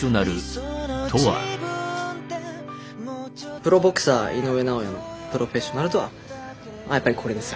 プロボクサー井上尚弥のプロフェッショナルとはやっぱりこれですよ。